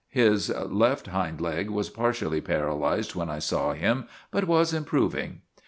His left hind leg was partially para lyzed, when I saw him, but was improving.